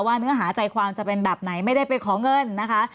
เนื้อหาใจความจะเป็นแบบไหนไม่ได้ไปขอเงินนะคะ